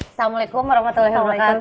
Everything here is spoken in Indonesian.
assalamualaikum wr wb